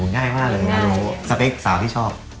ง่ายมากเลยสเปกสาวที่ชอบ